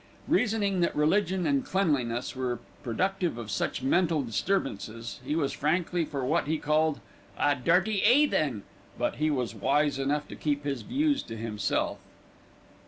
Reasoning that religion and cleanliness were productive of such mental disturbances, he was frankly for what he called "a dirty 'eathen"; but he was wise enough to keep his views to himself.